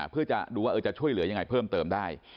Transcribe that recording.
เพื่อจะดูว่าจะช่วยเหลือยังไงเพิ่มเติมได้